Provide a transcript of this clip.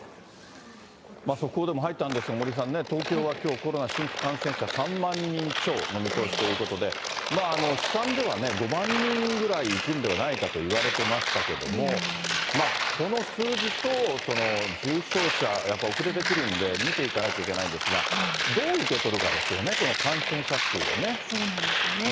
速報でも入ったんですが、森さんね、東京はきょう、コロナ新規感染者３万人超の見通しということで、試算では５万人ぐらいいくんではないかといわれてましたけども、この数字と重症者、やっぱり遅れてくるんで、見ていかなきゃいけないんですが、どう受け取るかですよね、そうなんですよね。